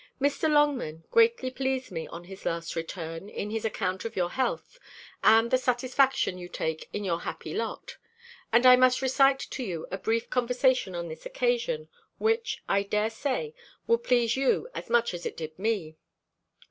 Mr. Longman greatly pleased me, on his last return, in his account of your health, and the satisfaction you take in your happy lot; and I must recite to you a brief conversation on this occasion, which, I dare say, will please you as much as it did me.